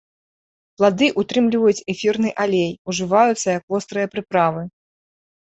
Плады ўтрымліваюць эфірны алей, ужываюцца як вострыя прыправы.